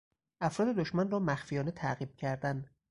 افراد دشمن را مخفیانه تعقیب کردن